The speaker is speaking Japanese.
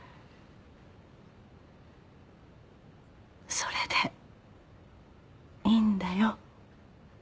それでいいんだよ。